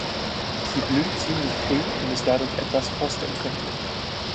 Sie blüht ziemlich früh und ist dadurch etwas frostempfindlich.